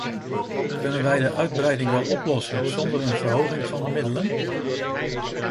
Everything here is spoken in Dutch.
Kunnen wij de uitbreiding wel oplossen zonder een verhoging van de middelen?